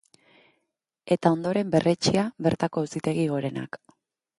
Eta ondoren berretsia bertako Auzitegi Gorenak.